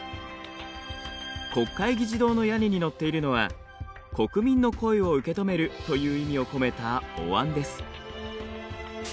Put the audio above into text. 国会議事堂の屋根に載っているのは「国民の声を受け止める」という意味を込めたおわんです。